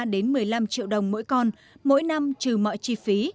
đến một mươi năm triệu đồng mỗi con mỗi năm trừ mọi chi phí